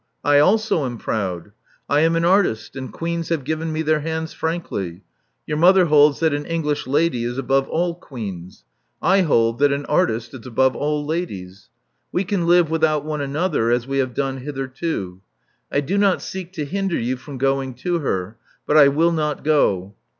I also am proud. I am an artist; and queens have given me their hands frankly. Your mother holds that an English lady is above all queens. I hold that an artist is above all ladies. We can live without one another, as we have done hitherto. I do not seek to hinder you from going to her; but I will not go."